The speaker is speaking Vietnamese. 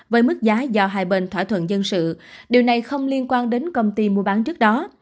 với mức giá do hai bên thỏa thuận dân sự điều này không liên quan đến công ty mua bán trước đó